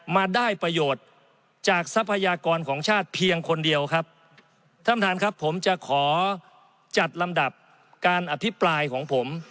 มาได้ประโยชน์จากทรัพยากรของชาติเพียงคนเดียวครับท่านประธานครับผมจะขอจัดลำดับการอภิปรายของผม